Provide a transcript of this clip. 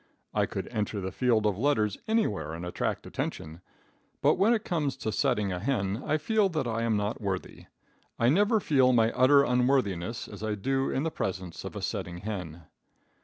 I could enter the field of letters anywhere and attract attention, but when it comes to setting a hen I feel that I am not worthy. I never feel my utter unworthiness as I do in the presence of a setting hen.